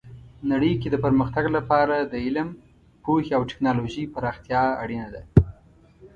نړۍ کې د پرمختګ لپاره د علم، پوهې او ټیکنالوژۍ پراختیا اړینه ده.